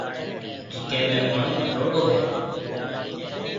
جڪَي ۾ پوڻِي ڀروڙو هيَ۔